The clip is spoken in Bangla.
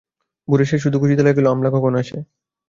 ভোরে সে শুধু খুঁজতে লাগিল অমলা কখন আসে।